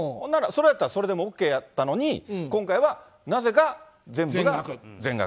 それやったそれでもＯＫやったのに、今回はなぜか全部が、全額。